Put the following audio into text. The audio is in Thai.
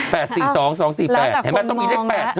๘๔๒๒๔๘เห็นไหมต้องมีอีกเลข๘เธอ